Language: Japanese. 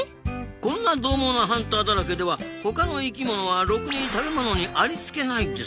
こんなどう猛なハンターだらけではほかの生きものはろくに食べ物にありつけないですよね？